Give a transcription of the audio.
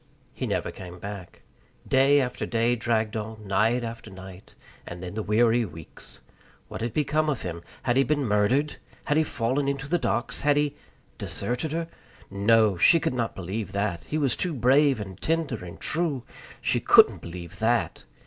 He never came back. Day after day dragged on, night after night, and then the weary weeks. What had become of him? Had he been murdered? Had he fallen into the docks? Had he deserted her? No! She could not believe that; he was too brave and tender and true. She couldn't believe that.